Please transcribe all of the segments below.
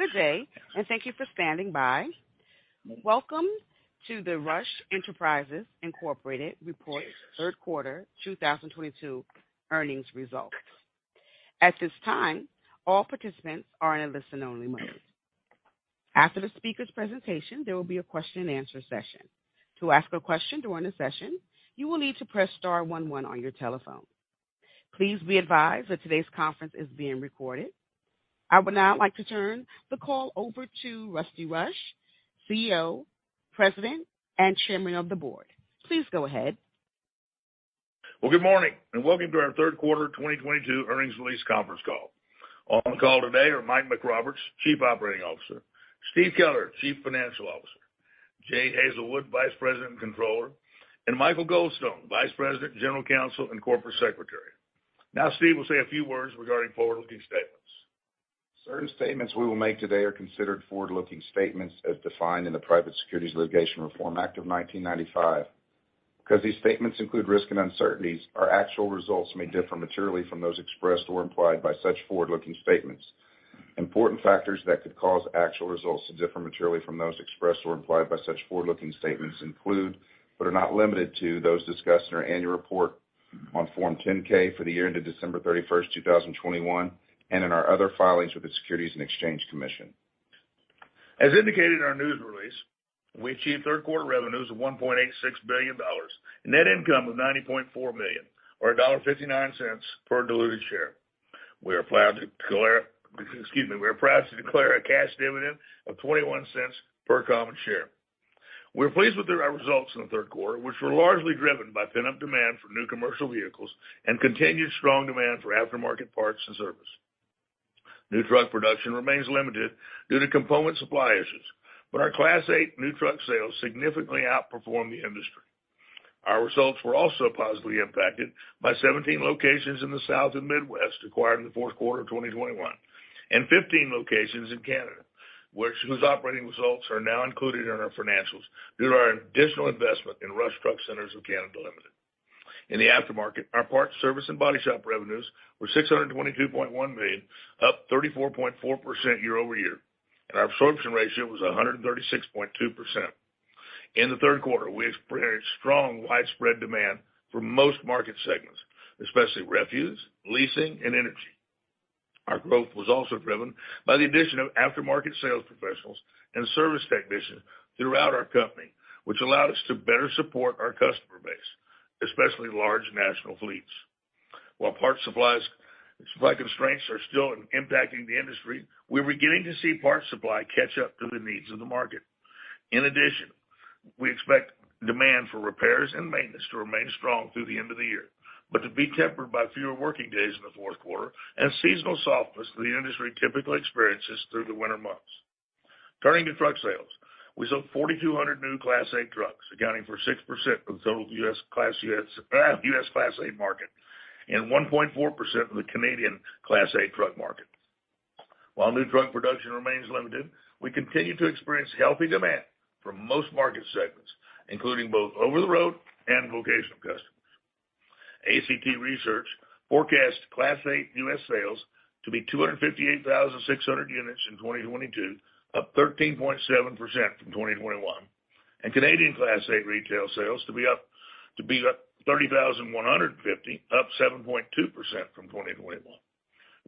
Good day, and thank you for standing by. Welcome to the Rush Enterprises, Inc. report, third quarter 2022 earnings results. At this time, all participants are in a listen-only mode. After the speaker's presentation, there will be a question and answer session. To ask a question during the session, you will need to press star one one on your telephone. Please be advised that today's conference is being recorded. I would now like to turn the call over to W.M. Rush, CEO, President, and Chairman of the Board. Please go ahead. Well, good morning, and welcome to our third quarter 2022 earnings release conference call. On the call today are Michael McRoberts, Chief Operating Officer, Steven Keller, Chief Financial Officer, Jay Hazelwood, Vice President and Controller, and Michael Goldstone, Vice President, General Counsel, and Corporate Secretary. Now Steve will say a few words regarding forward-looking statements. Certain statements we will make today are considered forward-looking statements as defined in the Private Securities Litigation Reform Act of 1995. Because these statements include risk and uncertainties, our actual results may differ materially from those expressed or implied by such forward-looking statements. Important factors that could cause actual results to differ materially from those expressed or implied by such forward-looking statements include, but are not limited to, those discussed in our annual report on Form 10-K for the year ended December 31st, 2021, and in our other filings with the Securities and Exchange Commission. As indicated in our news release, we achieved third quarter revenues of $1.86 billion. Net income of $90.4 million, or $1.59 per diluted share. We are proud to declare a cash dividend of $0.21 per common share. We're pleased with the results in the third quarter, which were largely driven by pent-up demand for new commercial vehicles and continued strong demand for aftermarket parts and service. New truck production remains limited due to component supply issues, but our Class 8 new truck sales significantly outperformed the industry. Our results were also positively impacted by 17 locations in the South and Midwest acquired in the fourth quarter of 2021, and 15 locations in Canada, whose operating results are now included in our financials due to our additional investment in Rush Truck Centres of Canada Limited. In the aftermarket, our parts service and body shop revenues were $622.1 million, up 34.4% year-over-year, and our absorption ratio was 136.2%. In the third quarter, we experienced strong widespread demand for most market segments, especially refuse, leasing, and energy. Our growth was also driven by the addition of aftermarket sales professionals and service technicians throughout our company, which allowed us to better support our customer base, especially large national fleets. While parts supply constraints are still impacting the industry, we're beginning to see parts supply catch up to the needs of the market. In addition, we expect demand for repairs and maintenance to remain strong through the end of the year, but to be tempered by fewer working days in the fourth quarter and seasonal softness the industry typically experiences through the winter months. Turning to truck sales, we sold 4,200 new Class 8 trucks, accounting for 6% of the total U.S. Class 8 market and 1.4% of the Canadian Class 8 truck market. While new truck production remains limited, we continue to experience healthy demand for most market segments, including both over-the-road and vocational customers. ACT Research forecasts Class 8 U.S. sales to be 258,600 units in 2022, up 13.7% from 2021, and Canadian Class 8 retail sales to be up 30,150, up 7.2% from 2021.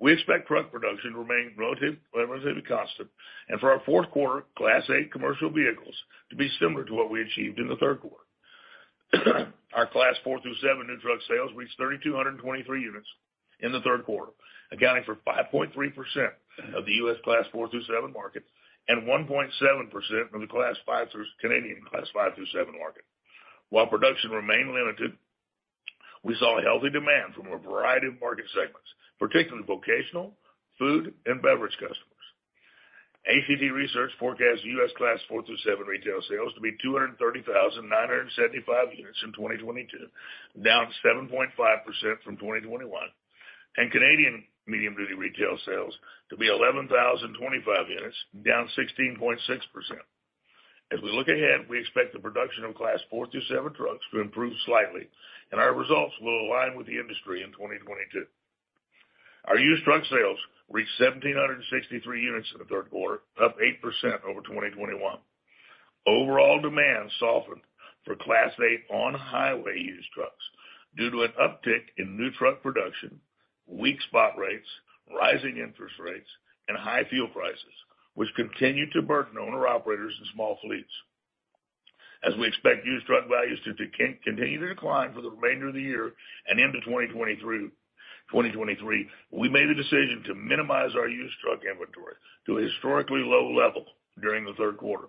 We expect truck production to remain relatively constant, and for our fourth quarter Class 8 commercial vehicles to be similar to what we achieved in the third quarter. Our Class 4 through 7 new truck sales reached 3,223 units in the third quarter, accounting for 5.3% of the U.S. Class 4 through 7 market and 1.7% of the Canadian Class 5 through 7 market. While production remained limited, we saw a healthy demand from a variety of market segments, particularly vocational, food, and beverage customers. ACT Research forecasts US Class 4 through 7 retail sales to be 230,975 units in 2022, down 7.5% from 2021, and Canadian medium-duty retail sales to be 11,025 units, down 16.6%. As we look ahead, we expect the production of Class 4 through 7 trucks to improve slightly, and our results will align with the industry in 2022. Our used truck sales reached 1,763 units in the third quarter, up 8% over 2021. Overall demand softened for Class 8 on-highway used trucks due to an uptick in new truck production, weak spot rates, rising interest rates, and high fuel prices, which continue to burden owner-operators and small fleets. As we expect used truck values to continue to decline for the remainder of the year and into 2023, we made a decision to minimize our used truck inventory to a historically low level during the third quarter.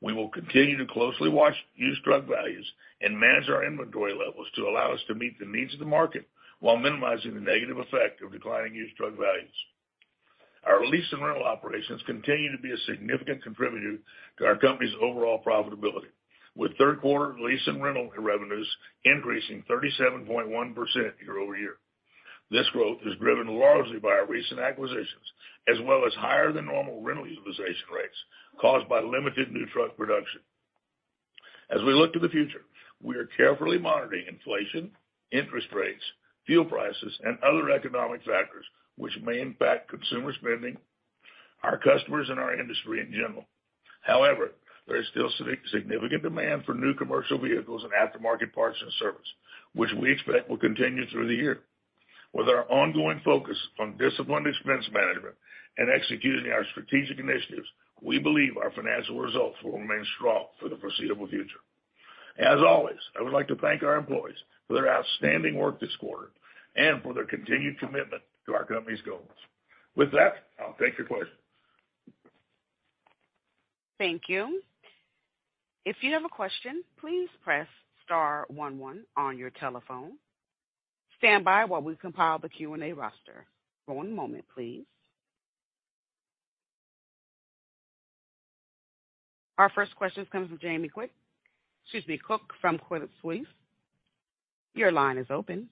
We will continue to closely watch used truck values and manage our inventory levels to allow us to meet the needs of the market while minimizing the negative effect of declining used truck values. Our lease and rental operations continue to be a significant contributor to our company's overall profitability, with third quarter lease and rental revenues increasing 37.1% year-over-year. This growth is driven largely by our recent acquisitions as well as higher than normal rental utilization rates caused by limited new truck production. As we look to the future, we are carefully monitoring inflation, interest rates, fuel prices, and other economic factors which may impact consumer spending, our customers and our industry in general. However, there is still significant demand for new commercial vehicles and aftermarket parts and service, which we expect will continue through the year. With our ongoing focus on disciplined expense management and executing our strategic initiatives, we believe our financial results will remain strong for the foreseeable future. As always, I would like to thank our employees for their outstanding work this quarter and for their continued commitment to our company's goals. With that, I'll take your questions. Thank you. If you have a question, please press star one one on your telephone. Stand by while we compile the Q&A roster. One moment please. Our first question comes from Jamie Cook. Excuse me, Cook from Credit Suisse. Your line is open.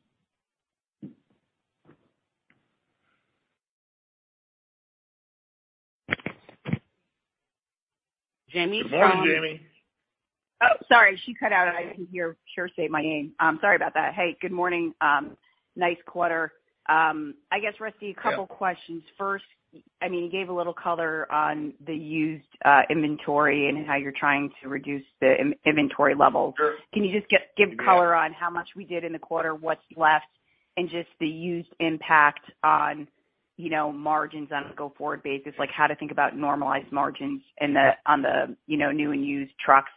Jamie, are you- Good morning, Jamie. Oh, sorry, she cut out. I didn't hear her say my name. Sorry about that. Hey, good morning, nice quarter. I guess, Rusty, a couple questions. First, I mean, you gave a little color on the used inventory and how you're trying to reduce the inventory levels. Can you just give color on how much we did in the quarter? What's left? Just the used impact on, you know, margins on a go-forward basis, like how to think about normalized margins in the, on the, you know, new and used trucks.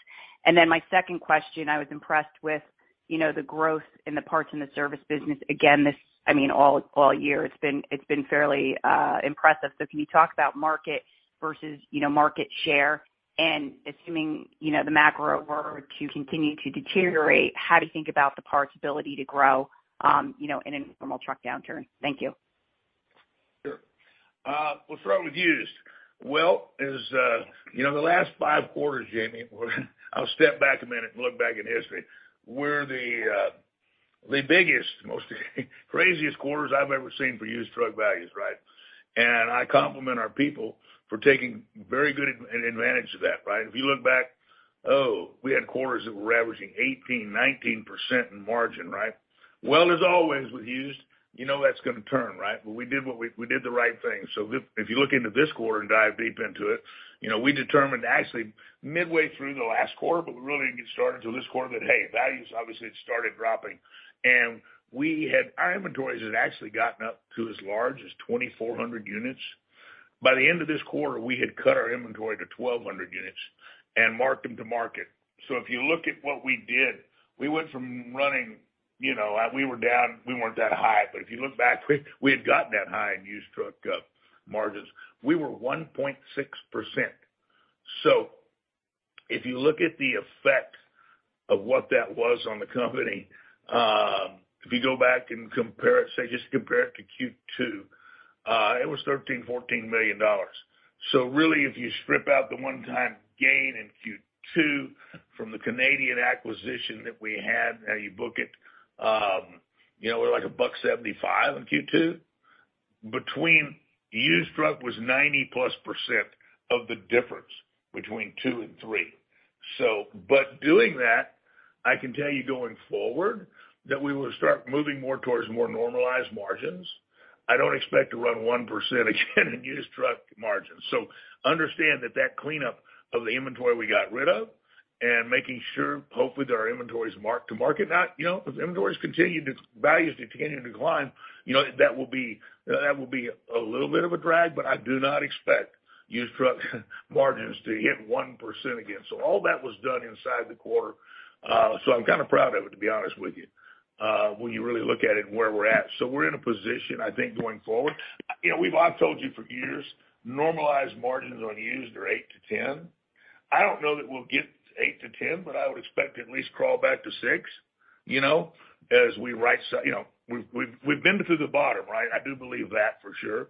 Then my second question, I was impressed with, you know, the growth in the parts and the service business. Again, this, I mean, all year it's been fairly impressive. So can you talk about market versus, you know, market share? Assuming, you know, the macro were to continue to deteriorate, how do you think about the parts ability to grow, you know, in a normal truck downturn? Thank you. Sure. We'll start with used. Well, as you know, the last five quarters, Jamie, I'll step back a minute and look back in history, were the biggest, most craziest quarters I've ever seen for used truck values, right? I compliment our people for taking very good advantage of that, right? If you look back, oh, we had quarters that were averaging 18, 19% in margin, right? Well, as always with used, you know that's gonna turn right? We did what we did the right thing. If you look into this quarter and dive deep into it, you know, we determined actually midway through the last quarter, but we really didn't get started till this quarter, that hey, values obviously had started dropping. Our inventories had actually gotten up to as large as 2,400 units. By the end of this quarter, we had cut our inventory to 1,200 units and marked them to market. If you look at what we did, we went from running, you know, we were down, we weren't that high, but if you look back, we had gotten that high in used truck margins. We were 1.6%. If you look at the effect of what that was on the company, if you go back and compare it, say, just compare it to Q2, it was $13 million-$14 million. Really if you strip out the one-time gain in Q2 from the Canadian acquisition that we had, how you book it, you know, we're like $1.75 in Q2. Used truck was 90%+ of the difference between 2 and 3. Doing that, I can tell you going forward that we will start moving more towards more normalized margins. I don't expect to run 1% again in used truck margins. Understand that cleanup of the inventory we got rid of and making sure hopefully that our inventory is marked to market. Now, you know, if inventory values continue to decline, you know, that will be a little bit of a drag, but I do not expect used truck margins to hit 1% again. All that was done inside the quarter, so I'm kinda proud of it, to be honest with you, when you really look at it where we're at. We're in a position, I think, going forward. You know, I've told you for years, normalized margins on used are 8%-10%. I don't know that we'll get 8-10, but I would expect to at least crawl back to 6, you know, as we right size. You know, we've been to the bottom, right? I do believe that for sure.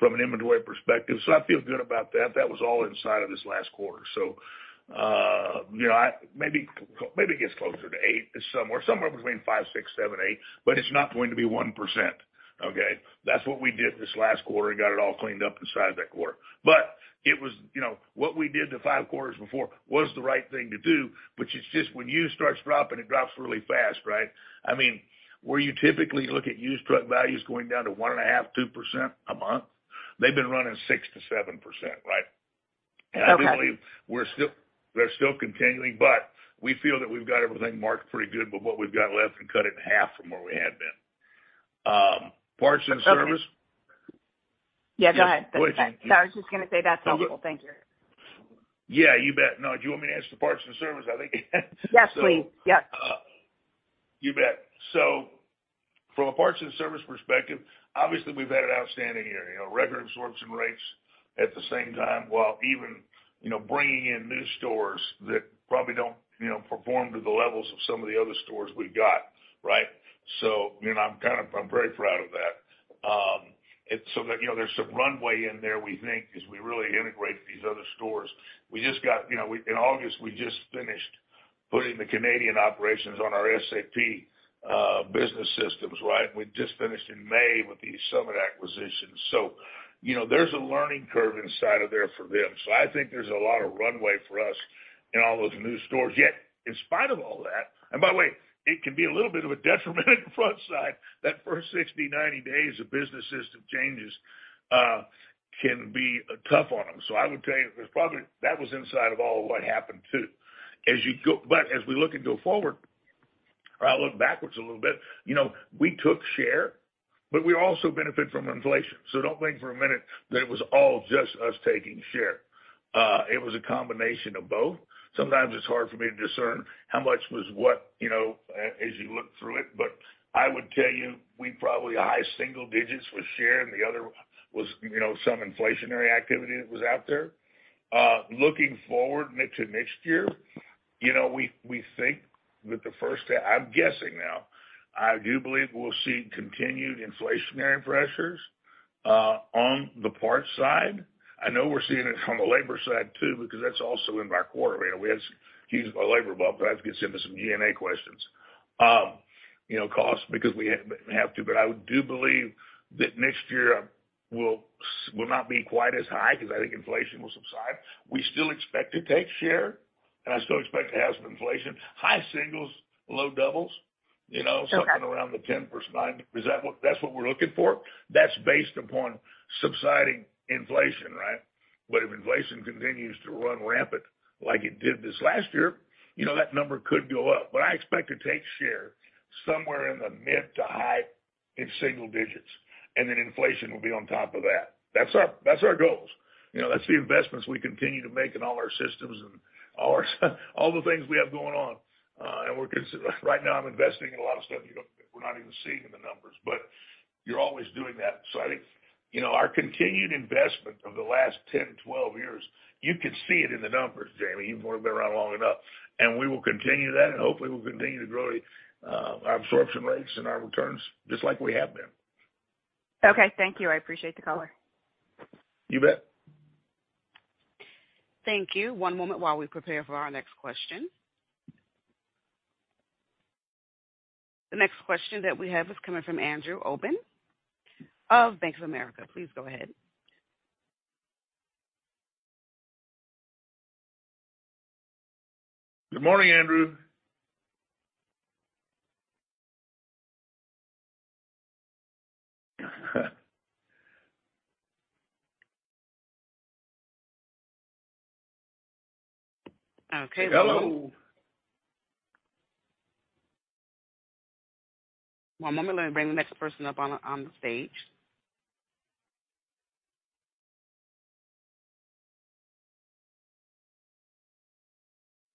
From an inventory perspective. I feel good about that. That was all inside of this last quarter. You know, maybe it gets closer to 8 somewhere between 5, 6, 7, 8, but it's not going to be 1%, okay? That's what we did this last quarter and got it all cleaned up inside that quarter. It was, you know, what we did the 5 quarters before was the right thing to do, which is just when used starts dropping, it drops really fast, right? I mean, where you typically look at used truck values going down to 1.5-2% a month, they've been running 6%-7%, right? Okay. I do believe we're still continuing, but we feel that we've got everything marked pretty good with what we've got left and cut it in half from where we had been. Parts and service. Yeah, go ahead. Sorry. I was just gonna say that's helpful. Thank you. Yeah, you bet. No, do you want me to answer parts and service? I think. Yes, please. Yes. You bet. From a parts and service perspective, obviously, we've had an outstanding year. You know, record absorption rates at the same time while even, you know, bringing in new stores that probably don't, you know, perform to the levels of some of the other stores we've got, right? You know, I'm very proud of that. That, you know, there's some runway in there we think as we really integrate these other stores. We just got, you know, in August, we just finished putting the Canadian operations on our SAP business systems, right? We just finished in May with the Summit acquisition. You know, there's a learning curve inside of there for them. I think there's a lot of runway for us in all those new stores. Yet, in spite of all that. By the way, it can be a little bit of a detriment in the front side. That first 60, 90 days of business system changes can be tough on them. I would tell you, there's probably that was inside of all what happened too. But as we look forward or I look backwards a little bit, you know, we took share, but we also benefit from inflation. Don't think for a minute that it was all just us taking share. It was a combination of both. Sometimes it's hard for me to discern how much was what, you know, as you look through it. But I would tell you, we probably high single digits with share, and the other was, you know, some inflationary activity that was out there. Looking forward mid to next year, you know, we think that the first half. I'm guessing now. I do believe we'll see continued inflationary pressures on the parts side. I know we're seeing it on the labor side too, because that's also in our quarter. You know, we had some issues with our labor bump, but I have to get to some Q&A questions. You know, costs because we have to, but I do believe that next year will not be quite as high because I think inflation will subside. We still expect to take share, and I still expect to have some inflation, high singles, low doubles, you know. Okay. Something around the 10%, 9%. That's what we're looking for. That's based upon subsiding inflation, right? If inflation continues to run rampant like it did this last year, you know, that number could go up. I expect to take share somewhere in the mid to high in single digits, and then inflation will be on top of that. That's our goals. You know, that's the investments we continue to make in all our systems and all the things we have going on. Right now I'm investing in a lot of stuff, you know, we're not even seeing in the numbers, but you're always doing that. I think, you know, our continued investment over the last 10, 12 years, you can see it in the numbers, Jamie. You've only been around long enough. We will continue that, and hopefully we'll continue to grow our absorption rates and our returns just like we have been. Okay, thank you. I appreciate the color. You bet. Thank you. One moment while we prepare for our next question. The next question that we have is coming from Andrew Obin of Bank of America. Please go ahead. Good morning, Andrew. Okay. Hello. One moment. Let me bring the next person up on the stage.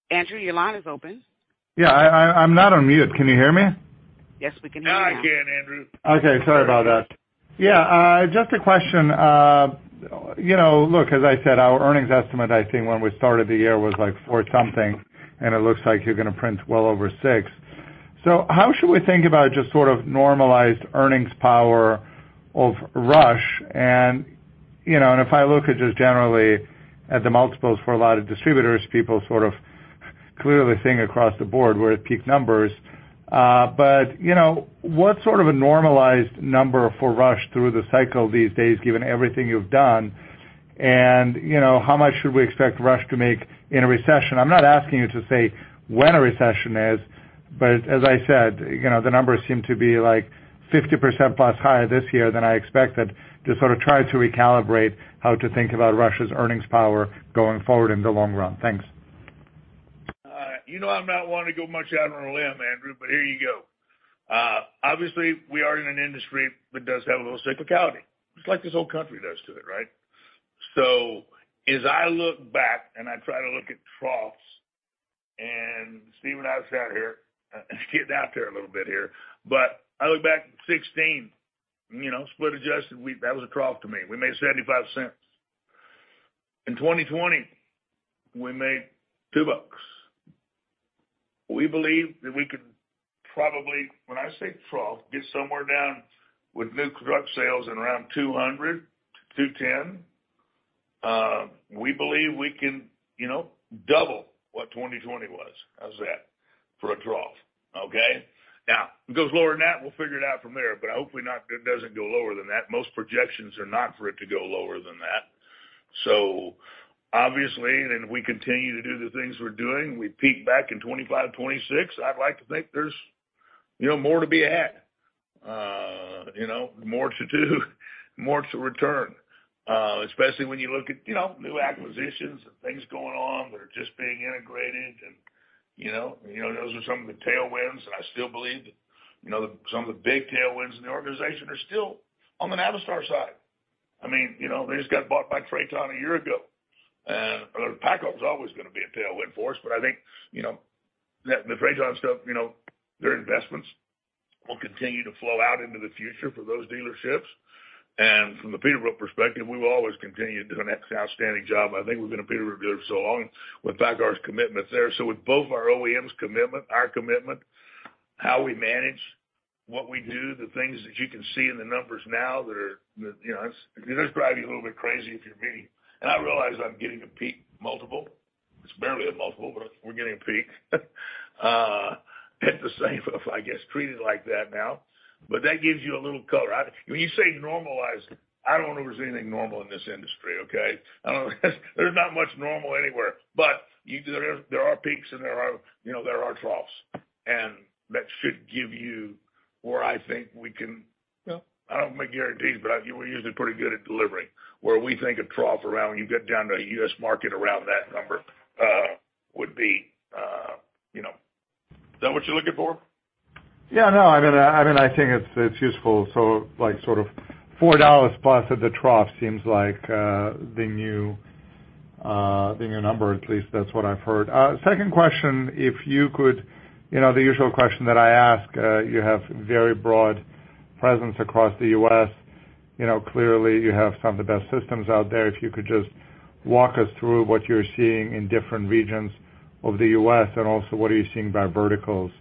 Andrew, your line is open. Yeah, I’m not on mute. Can you hear me? Yes, we can hear you. Now I can, Andrew. Okay, sorry about that. Yeah, just a question. You know, look, as I said, our earnings estimate, I think when we started the year was, like, $4 something, and it looks like you're gonna print well over $6. How should we think about just sort of normalized earnings power of Rush and, you know, and if I look at just generally at the multiples for a lot of distributors, people sort of clearly seeing across the board we're at peak numbers. You know, what sort of a normalized number for Rush through the cycle these days, given everything you've done, and, you know, how much should we expect Rush to make in a recession? I'm not asking you to say when a recession is, but as I said, you know, the numbers seem to be, like, 50%+ higher this year than I expected to sort of try to recalibrate how to think about Rush's earnings power going forward in the long run. Thanks. You know I'm not one to go much out on a limb, Andrew, but here you go. Obviously, we are in an industry that does have a little cyclicality, just like this whole country does too, right? As I look back and I try to look at troughs and see when I sat here, it's getting out there a little bit here, but I look back at 2016, you know, split-adjusted, that was a trough to me. We made $0.75. In 2020, we made $2. We believe that we could probably, when I say trough, get somewhere down with new truck sales in around 200-210. We believe we can, you know, double what 2020 was. How's that? For a trough, okay? Now, if it goes lower than that, we'll figure it out from there, but I hope it doesn't go lower than that. Most projections are not for it to go lower than that. Obviously, if we continue to do the things we're doing, we peak back in 2025, 2026. I'd like to think there's, you know, more to be had, you know, more to do, more to return, especially when you look at, you know, new acquisitions and things going on that are just being integrated and, you know, you know, those are some of the tailwinds, and I still believe that, you know, some of the big tailwinds in the organization are still on the Navistar side. I mean, you know, they just got bought by Traton a year ago. PACCAR was always gonna be a tailwind for us, but I think, you know, that the Traton stuff, you know, their investments will continue to flow out into the future for those dealerships. From the Peterbilt perspective, we will always continue to do an outstanding job. I think we're gonna Peterbilt good for so long with PACCAR's commitment there. With both our OEMs' commitment, our commitment. How we manage what we do, the things that you can see in the numbers now that are, you know, it does drive you a little bit crazy if you're me. I realize I'm getting a peak multiple. It's barely a multiple, but we're getting a peak at the same, I guess, treated like that now. That gives you a little color. When you say normalized, I don't know if there's anything normal in this industry, okay? There's not much normal anywhere. There are peaks and, you know, there are troughs, and that should give you where I think we can. You know, I don't make guarantees, but we're usually pretty good at delivering where we think a trough around when you get down to a U.S. market around that number would be, you know. Is that what you're looking for? Yeah, no, I mean, I think it's useful. So like, sort of $4 plus at the trough seems like the new number, at least that's what I've heard. Second question, if you could, you know, the usual question that I ask, you have very broad presence across the U.S. You know, clearly you have some of the best systems out there. If you could just walk us through what you're seeing in different regions of the U.S. and also what are you seeing by verticals,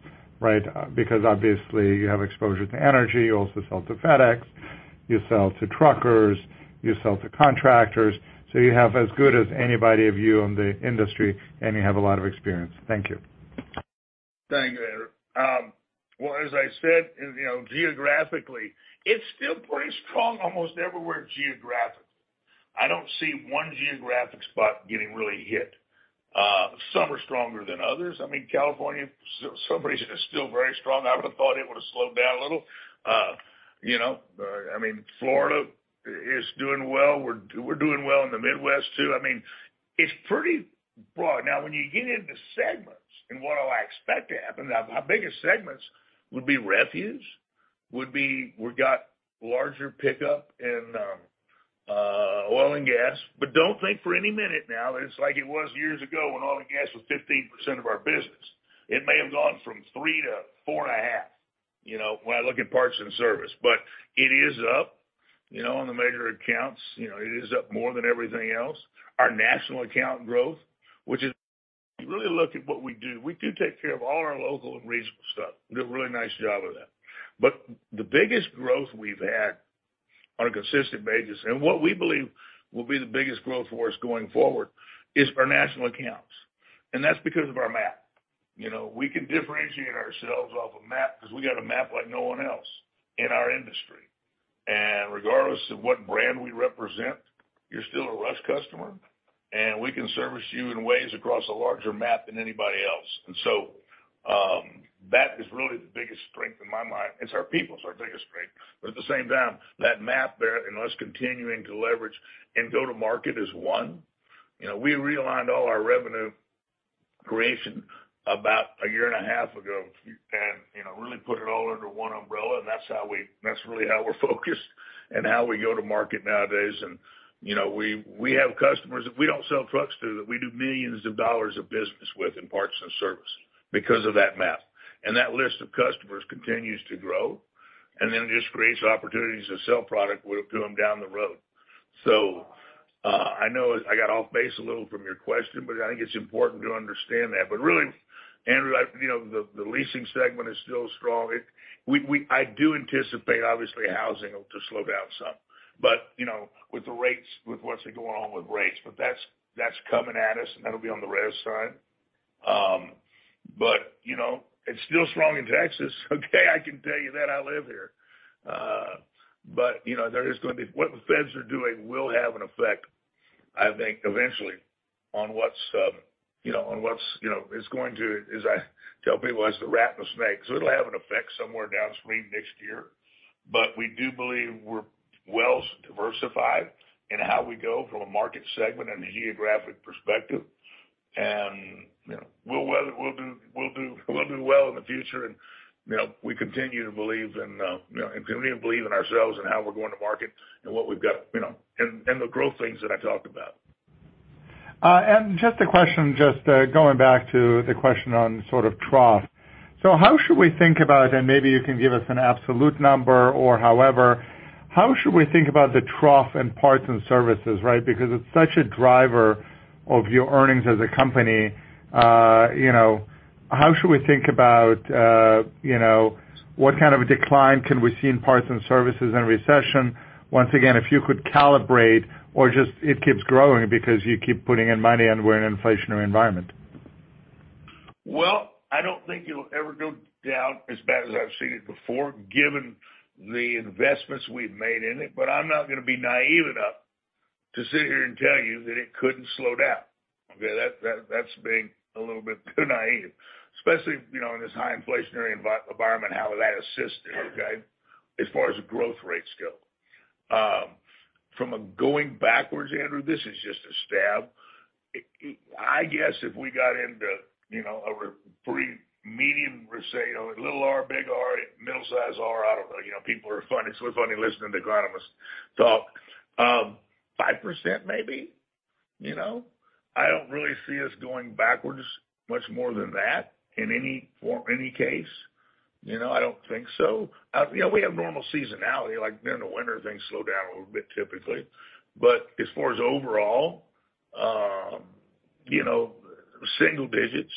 right? Because obviously you have exposure to energy. You also sell to FedEx, you sell to truckers, you sell to contractors. So you have as good as anybody view on the industry, and you have a lot of experience. Thank you. Thank you, Andrew. Well, as I said, you know, geographically, it's still pretty strong almost everywhere geographically. I don't see one geographic spot getting really hit. Some are stronger than others. I mean, California, for some reason, is still very strong. I would have thought it would have slowed down a little. You know, I mean, Florida is doing well. We're doing well in the Midwest too. I mean, it's pretty broad. Now when you get into segments and what do I expect to happen, our biggest segments would be refuse, we got larger pickup in oil and gas. But don't think for a minute now, it's like it was years ago when oil and gas was 15% of our business. It may have gone from 3%-4.5%, you know, when I look at parts and service, but it is up, you know, on the major accounts, you know, it is up more than everything else. Our national account growth, which is really look at what we do. We do take care of all our local and regional stuff, do a really nice job of that. The biggest growth we've had on a consistent basis, and what we believe will be the biggest growth for us going forward, is our national accounts. That's because of our map. You know, we can differentiate ourselves off a map because we got a map like no one else in our industry. Regardless of what brand we represent, you're still a Rush customer, and we can service you in ways across a larger map than anybody else. That is really the biggest strength in my mind. It's our people. It's our biggest strength. At the same time, that map there and us continuing to leverage and go to market as one. You know, we realigned all our revenue creation about a year and a half ago and, you know, really put it all under one umbrella. That's really how we're focused and how we go to market nowadays. You know, we have customers that we don't sell trucks to, that we do millions of dollars of business with in parts and service because of that map. That list of customers continues to grow and then just creates opportunities to sell product to them down the road. I know I got off base a little from your question, but I think it's important to understand that. Really, Andrew, you know, the leasing segment is still strong. I do anticipate obviously housing to slow down some, but, you know, with the rates, with what's going on with rates. That's coming at us, and that'll be on the res side. You know, it's still strong in Texas. I can tell you that, I live here. You know, there is going to be what the feds are doing will have an effect, I think eventually on what's, you know, on what's, you know, is going to, as I tell people, as the rat and the snake. It'll have an effect somewhere downstream next year. We do believe we're well diversified in how we go from a market segment and a geographic perspective. You know, we'll do well in the future. You know, we continue to believe in ourselves and how we're going to market and what we've got, you know, and the growth things that I talked about. Just a question, going back to the question on sort of trough. How should we think about it? Maybe you can give us an absolute number or however, how should we think about the trough in parts and services, right? Because it's such a driver of your earnings as a company. You know, how should we think about, you know, what kind of a decline can we see in parts and services in a recession? Once again, if you could calibrate or just it keeps growing because you keep putting in money and we're in an inflationary environment. Well, I don't think it'll ever go down as bad as I've seen it before, given the investments we've made in it. I'm not gonna be naive enough to sit here and tell you that it couldn't slow down. Okay. That's being a little bit too naive, especially, you know, in this high inflationary environment. How would that affect it, okay, as far as growth rates go. From a going backwards, Andrew, this is just a stab. I guess if we got into a medium recession, you know, little r, big R, middle-sized r, I don't know. You know, people are funny. It's so funny listening to economists talk. 5% maybe, you know. I don't really see us going backwards much more than that in any form, any case. You know, I don't think so. You know, we have normal seasonality, like during the winter things slow down a little bit typically. As far as overall, you know, single digits.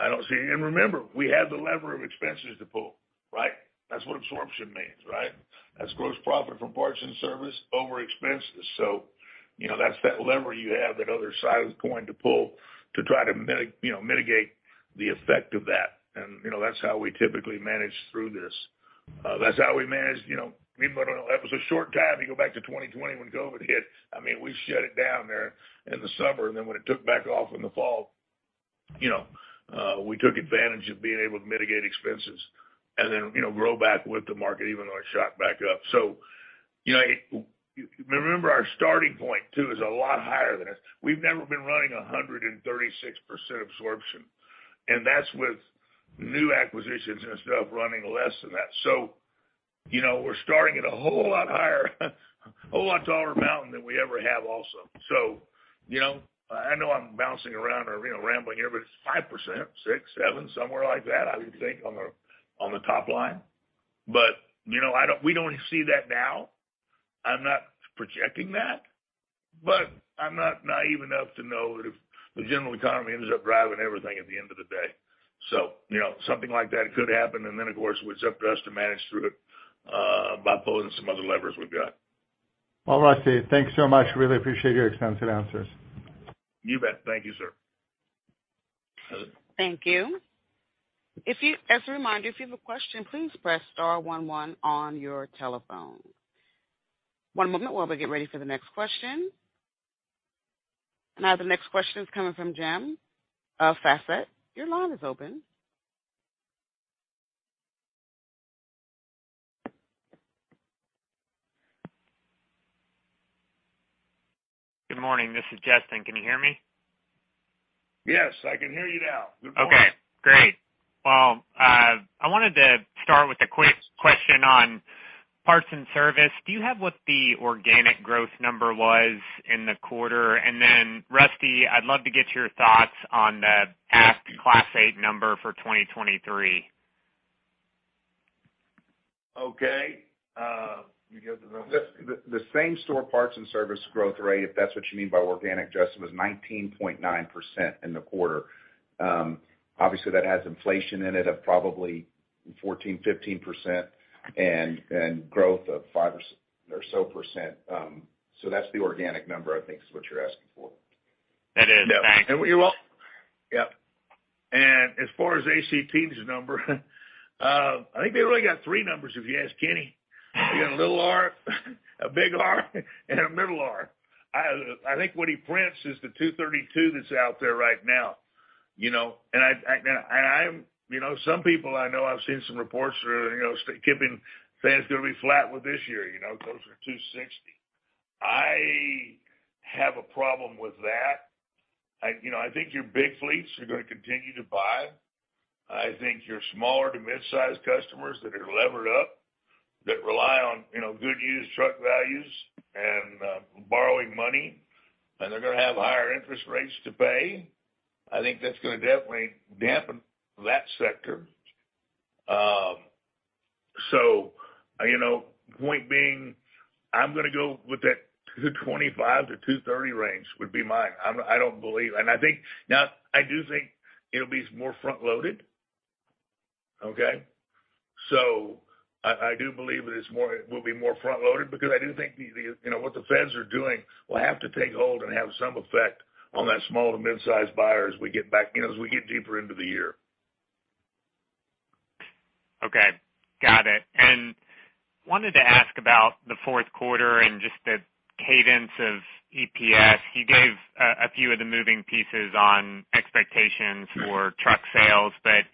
I don't see. Remember, we have the lever of expenses to pull, right? That's what absorption means, right? That's gross profit from parts and service over expenses. You know, that's that lever you have that other side is going to pull to try to, you know, mitigate the effect of that. You know, that's how we typically manage through this. That's how we managed, you know, even though that was a short time, you go back to 2020 when COVID hit. I mean, we shut it down there in the summer, and then when it took back off in the fall, you know, we took advantage of being able to mitigate expenses and then, you know, grow back with the market even though it shot back up. You know, remember our starting point too is a lot higher than this. We've never been running 136% absorption, and that's with new acquisitions and stuff running less than that. You know, we're starting at a whole lot higher, a whole lot taller mountain than we ever have also. You know, I know I'm bouncing around or, you know, rambling here, but it's 5%, 6%, 7%, somewhere like that, I would think on the, on the top line. You know, I don't, we don't see that now. I'm not projecting that, but I'm not naive enough to know if the general economy ends up driving everything at the end of the day. You know, something like that could happen and then of course, it's up to us to manage through it by pulling some other levers we've got. Well, Rusty, thanks so much. Really appreciate your extensive answers. You bet. Thank you, sir. Thank you. As a reminder, if you have a question, please press star one one on your telephone. One moment while we get ready for the next question. Now the next question is coming from Justin Long. Your line is open. Good morning. This is Justin. Can you hear me? Yes, I can hear you now. Good morning. Okay, great. Well, I wanted to start with a quick question on parts and service. Do you have what the organic growth number was in the quarter? Rusty, I'd love to get your thoughts on the ACT Class 8 number for 2023. Okay. You get that, Steve? The same store parts and service growth rate, if that's what you mean by organic, Justin, was 19.9% in the quarter. Obviously that has inflation in it of probably 14-15% and growth of 5% or so. That's the organic number I think is what you're asking for. That is. Thanks. As far as ACT's number, I think they really got three numbers, if you ask Kenny. You got a little R, a big R, and a middle R. I think what he prints is the 232 that's out there right now. You know, some people I know, I've seen some reports are, you know, keeping, say, it's gonna be flat with this year, you know, closer to 260. I have a problem with that. You know, I think your big fleets are gonna continue to buy. I think your smaller to mid-sized customers that are levered up, that rely on, you know, good used truck values and borrowing money, and they're gonna have higher interest rates to pay, I think that's gonna definitely dampen that sector. You know, point being, I'm gonna go with that $2.25-$2.30 range would be my. I don't believe. I think, now I do think it'll be more front loaded. Okay. I do believe it will be more front loaded because I do think the you know what the Fed is doing will have to take hold and have some effect on that small to mid-sized buyer as we get back, you know, as we get deeper into the year. Okay. Got it. Wanted to ask about the fourth quarter and just the cadence of EPS. You gave a few of the moving pieces on expectations for truck sales, but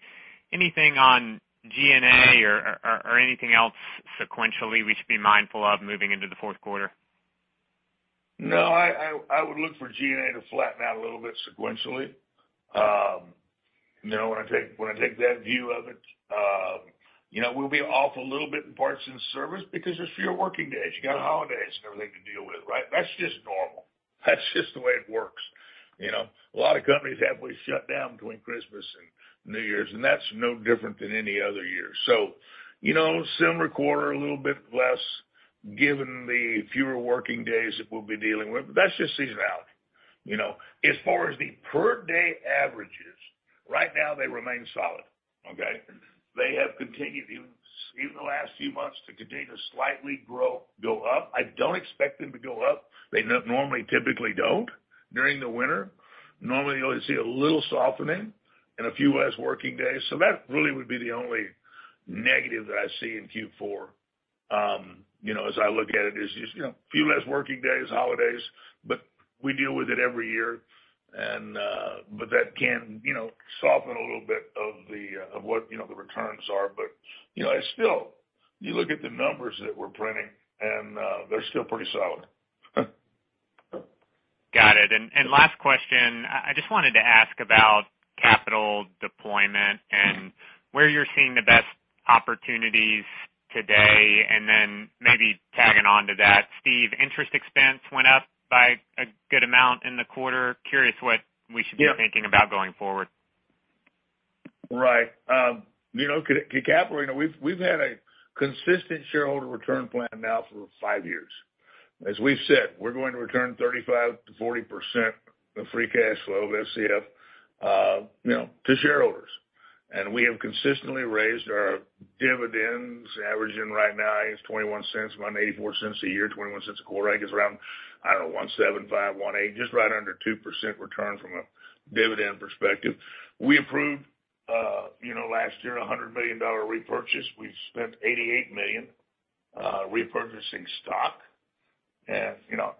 anything on G&A or anything else sequentially we should be mindful of moving into the fourth quarter? No, I would look for G&A to flatten out a little bit sequentially. You know, when I take that view of it, you know, we'll be off a little bit in parts and service because there's fewer working days. You got holidays and everything to deal with, right? That's just normal. That's just the way it works. You know, a lot of companies have. We shut down between Christmas and New Year's, and that's no different than any other year. You know, similar quarter, a little bit less given the fewer working days that we'll be dealing with. That's just seasonality. You know, as far as the per day averages, right now they remain solid. Okay? They have continued even the last few months to continue to slightly grow, go up. I don't expect them to go up. They normally typically don't during the winter. Normally, you only see a little softening and a few less working days. That really would be the only negative that I see in Q4. You know, as I look at it, is just you know few less working days, holidays, but we deal with it every year and but that can you know soften a little bit of the of what you know the returns are. You know, it's still, you look at the numbers that we're printing and they're still pretty solid. Got it. Last question. I just wanted to ask about capital deployment and where you're seeing the best opportunities today, and then maybe tagging on to that. Steve, interest expense went up by a good amount in the quarter. Curious what we should be thinking about going forward. Right. You know, to capitalize, we've had a consistent shareholder return plan now for five years. As we've said, we're going to return 35%-40% of free cash flow or FCF, you know, to shareholders. We have consistently raised our dividends, averaging right now is $0.21, around $0.84 a year, $0.21 a quarter. I guess around, I don't know, 1.75%, 1.8%, just right under 2% return from a dividend perspective. We approved, you know, last year, a $100 million repurchase. We've spent $88 million repurchasing stock. You know,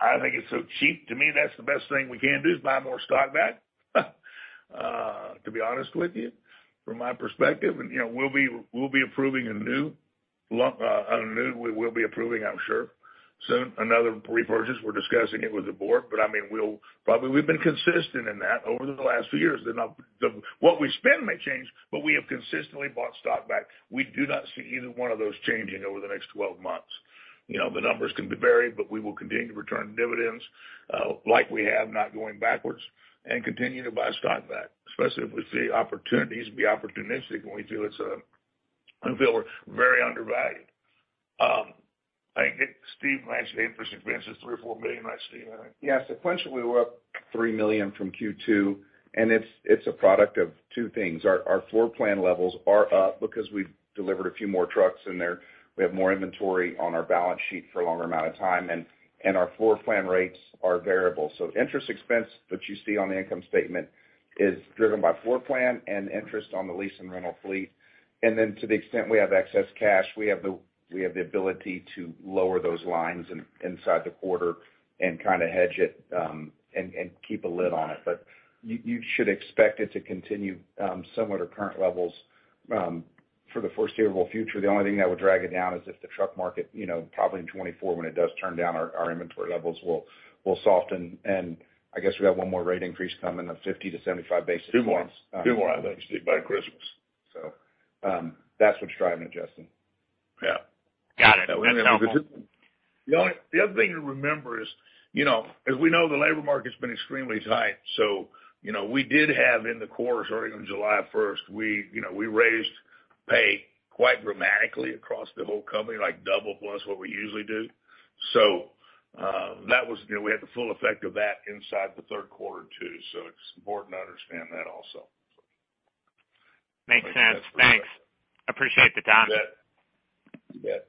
I think it's so cheap. To me, that's the best thing we can do is buy more stock back, to be honest with you, from my perspective. You know, we will be approving, I'm sure soon, another repurchase. We're discussing it with the board, but I mean, probably we've been consistent in that over the last few years. What we spend may change, but we have consistently bought stock back. We do not see either one of those changing over the next 12 months. You know, the numbers can vary, but we will continue to return dividends, like we have, not going backwards, and continue to buy stock back, especially if we see opportunities and be opportunistic when we feel it's, when we feel we're very undervalued. I think Steve mentioned interest expense is $3-$4 million, right, Steve? Yeah. Sequentially, we're up $3 million from Q2, and it's a product of two things. Our floor plan levels are up because we've delivered a few more trucks in there. We have more inventory on our balance sheet for a longer amount of time, and our floor plan rates are variable. Interest expense that you see on the income statement is driven by floor plan and interest on the lease and rental fleet. Then to the extent we have excess cash, we have the ability to lower those lines inside the quarter and kinda hedge it, and keep a lid on it. You should expect it to continue similar to current levels for the foreseeable future. The only thing that would drag it down is if the truck market, you know, probably in 2024 when it does turn down our inventory levels will soften. I guess we have one more rate increase coming of 50-75 basis points. Two more, I think, Steve, by Christmas. That's what's driving it, Justin. Yeah. Got it. That's helpful. The other thing to remember is, you know, as we know, the labor market's been extremely tight, so, you know, we did have in the quarter starting on July first, you know, we raised pay quite dramatically across the whole company, like double plus what we usually do. You know, we had the full effect of that inside the third quarter too. It's important to understand that also. Makes sense. Thanks. Appreciate the time. You bet. You bet.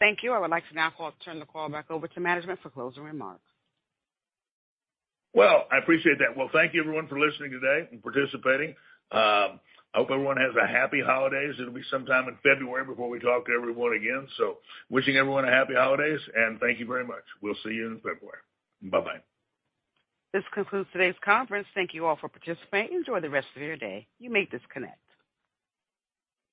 Thank you. I would like to now turn the call back over to management for closing remarks. Well, I appreciate that. Well, thank you everyone for listening today and participating. I hope everyone has a happy holidays. It'll be sometime in February before we talk to everyone again, so wishing everyone a happy holidays, and thank you very much. We'll see you in February. Bye-bye. This concludes today's conference. Thank you all for participating. Enjoy the rest of your day. You may disconnect.